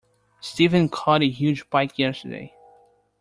Stephen caught a huge pike yesterday